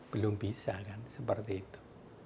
belum bisa kan seperti itu